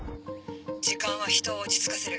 時間は人を落ち着かせる。